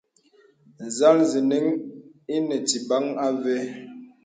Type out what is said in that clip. Nzāl zənəŋ ìnə tibaŋ àvé.